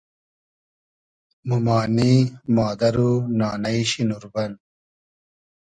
مومانی ، مادئر و نانݷ شی نوربئن